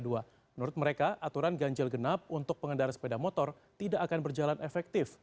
menurut mereka aturan ganjil genap untuk pengendara sepeda motor tidak akan berjalan efektif